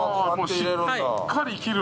しっかり切る。